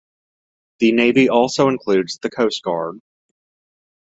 The navy also includes the Coast Guard.